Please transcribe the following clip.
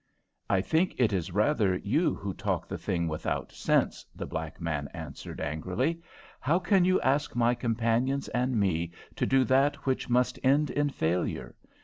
"I think it is rather you who talk the thing without sense," the black man answered, angrily. "How can you ask my companions and me to do that which must end in failure?